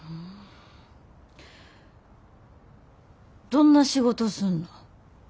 どんな仕事すんの？